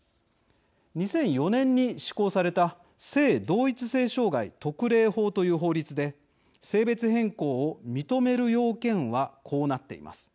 ２００４年に施行された性同一性障害特例法という法律で性別変更を認める要件はこうなっています。